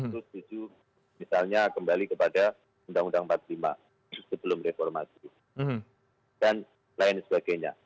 setuju setuju misalnya kembali kepada uu empat puluh lima sebelum reformasi dan lain sebagainya